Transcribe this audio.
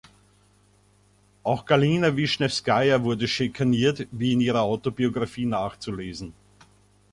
Auch Galina Wischnewskaja wurde schikaniert, wie in ihrer Autobiografie nachzulesen.